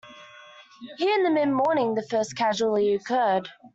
Here, in the midmorning, the first casualty occurred.